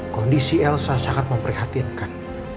kondisi elsa sangat memprihatinkan